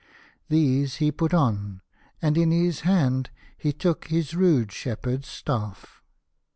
These he put on, and in his hand he took his rude shep herd's staff.